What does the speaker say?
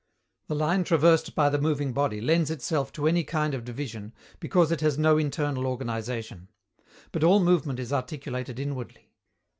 The line traversed by the moving body lends itself to any kind of division, because it has no internal organization. But all movement is articulated inwardly.